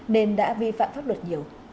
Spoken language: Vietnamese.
nên đã vi phạm pháp luật nhiều